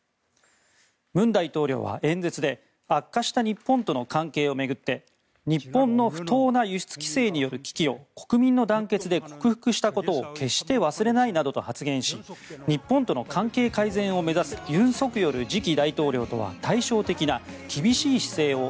文大統領は演説で悪化した日本との関係を巡って日本の不当な輸出規制による危機を国民の団結で克服したことを決して忘れないなどと発言し日本との関係改善を目指す尹錫悦次期大統領とは対照的な厳しい姿勢を